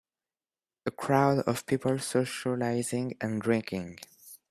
A crowd of people socializing and drinking.